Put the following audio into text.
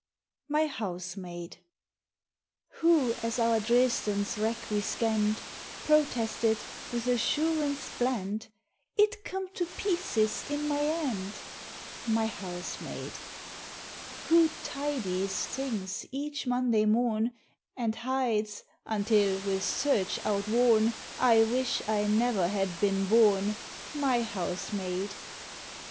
Who, as our Dresden's wreck we scanned, Protested, with assurance bland, "It come to pieces in my 'and"? My Housemaid. Who "tidies" things each Monday morn, And hides until, with search outworn, I wish I never had been born? My Housemaid.